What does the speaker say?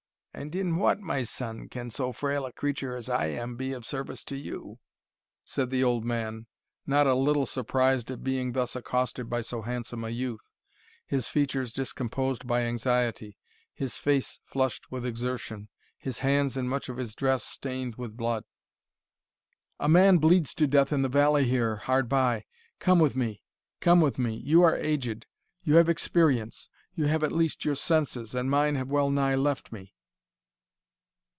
"And in what, my son, can so frail a creature as I am, be of service to you?" said the old man, not a little surprised at being thus accosted by so handsome a youth, his features discomposed by anxiety, his face flushed with exertion, his hands and much of his dress stained with blood. "A man bleeds to death in the valley here, hard by. Come with me come with me! You are aged you have experience you have at least your senses and mine have well nigh left me."